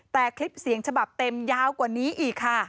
แต่คลิปเสียงฉบับเต็มยาวกว่านี้อีกค่ะ